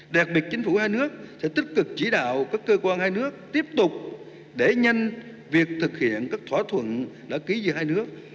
đặc biệt chính phủ hai nước sẽ tích cực chỉ đạo các cơ quan hai nước tiếp tục đẩy nhanh việc thực hiện các thỏa thuận đã ký giữa hai nước